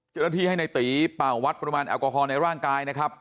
เจ้าหน้าที่ให้ในตีเป่าวัดปริมาณแอลกอฮอลในร่างกายนะครับ